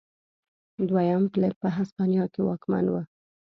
دویم فلیپ په هسپانیا کې واکمن و.